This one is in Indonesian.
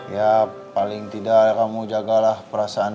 ya paling tidak kamu jagalah perasaanmu